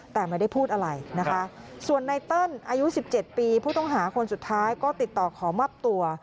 แต่ไม่ได้พูดอะไรนะคะส่วนไนเติ้ลอายุ๑๗ปีผู้ต้องหาคนสุดท้ายก็ติดต่อขอมอบตัว